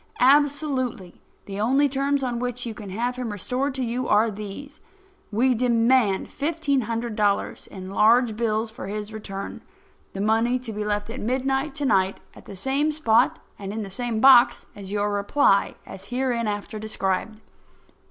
Absolutely, the only terms on which you can have him restored to you are these: We demand fifteen hundred dollars in large bills for his return; the money to be left at midnight to night at the same spot and in the same box as your reply—as hereinafter described.